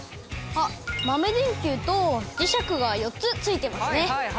豆電球と磁石が４つ付いてますね。